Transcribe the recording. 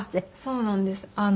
そうなんです。